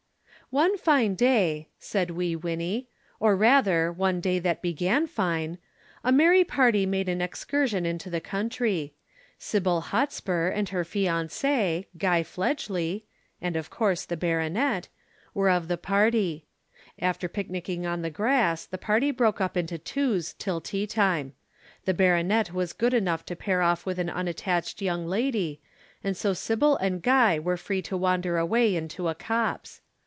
"One fine day," said Wee Winnie, "or rather, one day that began fine, a merry party made an excursion into the country. Sybil Hotspur and her fiancé, Guy Fledgely, (and of course the baronet) were of the party. After picknicking on the grass, the party broke up into twos till tea time. The baronet was good enough to pair off with an unattached young lady, and so Sybil and Guy were free to wander away into a copse.